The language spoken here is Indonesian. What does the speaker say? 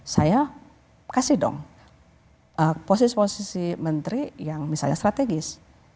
saya kasih dong posisi posisi menteri yang misalnya strategis